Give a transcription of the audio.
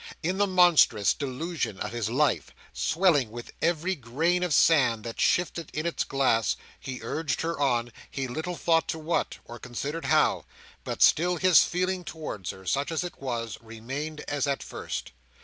In the monstrous delusion of his life, swelling with every grain of sand that shifted in its glass, he urged her on, he little thought to what, or considered how; but still his feeling towards her, such as it was, remained as at first.